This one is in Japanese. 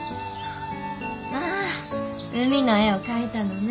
まあ海の絵を描いたのね。